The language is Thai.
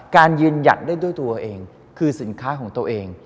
การยืนหยัดได้ด้วยตัวเองคือสินค้าของตัวเอง